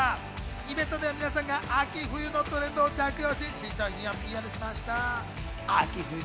イベントでは皆さんが秋冬のトレンドを着用し、新商品をＰＲしました。